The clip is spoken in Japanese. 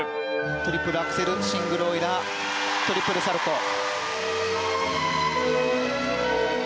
トリプルアクセルシングルオイラートリプルサルコウ。